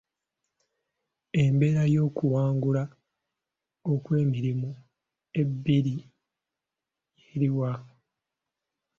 Embeera y'okuwangula okw'emirundi ebiri yeri wa?